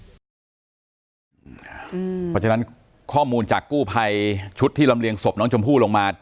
เพราะฉะนั้นข้อมูลจากกู้ภัยชุดที่ลำเลียงศพน้องชมพู่ลงมา